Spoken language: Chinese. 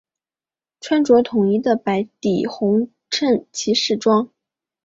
穿着统一的白底红衬骑士装。